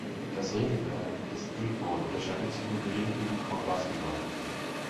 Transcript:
Das Regelwerk des Streetball unterscheidet sich nur geringfügig von Basketball.